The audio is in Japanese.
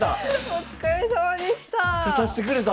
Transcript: お疲れさまでした。